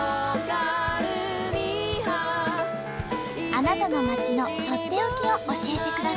あなたの町のとっておきを教えてください。